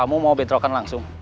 kamu mau bentrokan langsung